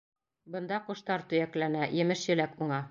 Бында ҡоштар төйәкләнә, емеш-еләк уңа.